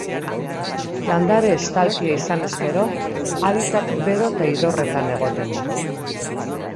Landare-estalkia izanez gero, habitat bero eta idorretan egoten da.